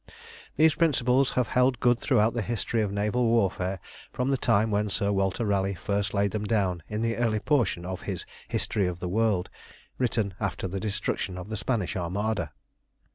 These principles have held good throughout the history of naval warfare from the time when Sir Walter Raleigh first laid them down in the early portion of his History of the World, written after the destruction of the Spanish Armada.